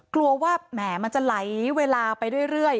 กลัวว่าแหมมันจะไหลเวลาไปเรื่อย